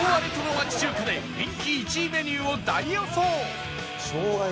町中華で人気１位メニューを大予想！